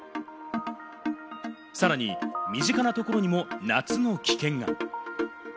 さらに身近なところにも夏の危険が。